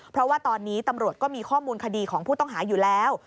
เพราะว่าตอนนี้ตำรวจก็มีข้อมูลคดีของผู้ต้องหาอยู่แล้ว